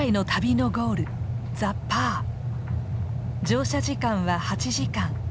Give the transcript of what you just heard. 乗車時間は８時間。